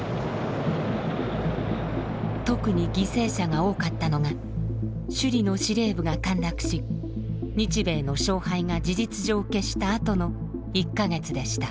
特に犠牲者が多かったのが首里の司令部が陥落し日米の勝敗が事実上決したあとの１か月でした。